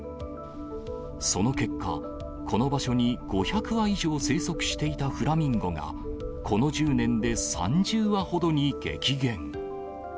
その結果、この場所に５００羽以上生息していたフラミンゴが、この１０年で３０羽ほどに激減。